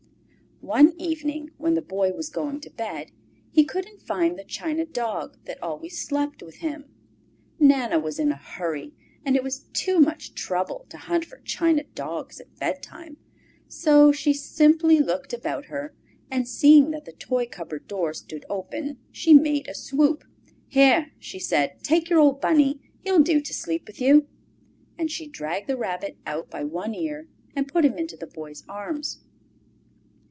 One evening, when the Boy was going to bed, he couldn't find the china dog that always slept with him. Nana was in a hurry, and it was too much trouble to hunt for china dogs at bedtime, so she simply looked about her, and seeing that the toy cupboard door stood open, she made a swoop. "Here," she said, "take your old Bunny! He'll do to sleep with you!" And she dragged the Rabbit out by one ear, and put him into the Boy's arms.